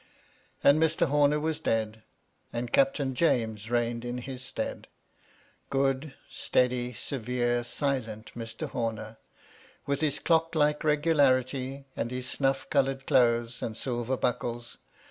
And Mr. Homer was dead, and Captain James reigned in his stead. Good, steady, severe, silent Mr. Homer ! with his clock like regularity, and his snuff coloured clothes, and silver buckles!